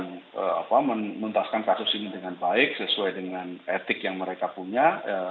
dan juga menuntaskan kasus ini dengan baik sesuai dengan etik yang mereka punya